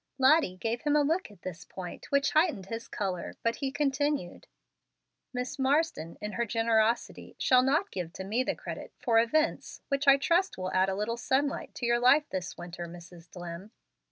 Lottie gave him a look at this point which heightened his color, but he continued: "Miss Marsden, in her generosity, shall not give to me the credit for events which I trust will add a little sunlight to your life this winter, Mrs. Dlimm.